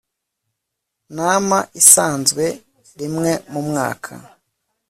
nama isanzwe rimwe mu mwaka